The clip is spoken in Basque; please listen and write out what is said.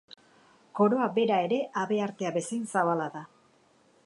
Koroa bera ere habeartea bezain zabala da.